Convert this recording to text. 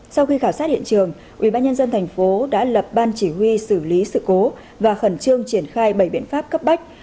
sau khi khảo sát hiện trường ubnd tp đã lập ban chỉ huy xử lý sự cố và khẩn trương triển khai bảy biện pháp cấp bách